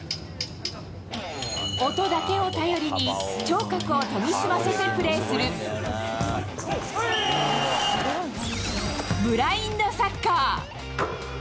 音だけを頼りに、聴覚を研ぎ澄ませてプレーする、ブラインドサッカー。